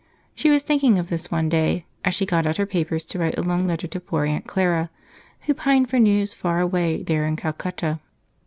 She was thinking of this one day as she got out her paper to write a long letter to poor Aunt Clara, who pined for news far away there in Calcutta.